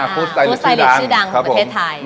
พูดสไตล์ฤทธิ์ชื่อดังประเทศไทย